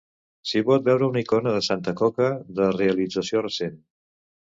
S'hi pot veure una icona de Santa Coca de realització recent.